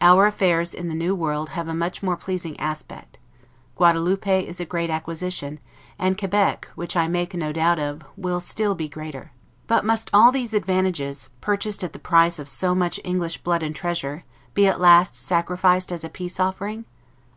Our affairs in the new world have a much more pleasing aspect; Guadaloupe is a great acquisition, and Quebec, which I make no doubt of, will still be greater. But must all these advantages, purchased at the price of so much English blood and treasure, be at last sacrificed as a peace offering?